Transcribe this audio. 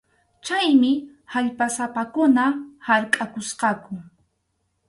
Chaymi allpasapakuna harkʼakusqaku.